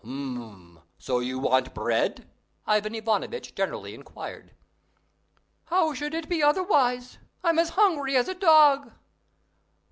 "Hm! so you want bread?" Ivan Ivanovitch generally inquired. "How should it be otherwise? I am as hungry as a dog."